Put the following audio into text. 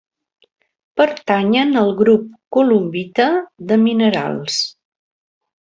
Pertanyen al grup columbita de minerals.